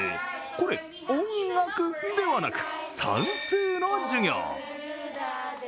これ、音楽ではなく、算数の授業。